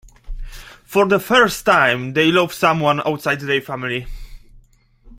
For the first time, they love someone outside their family'.